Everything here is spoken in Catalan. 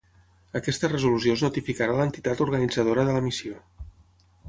Aquesta resolució es notificarà l'entitat organitzadora de la missió.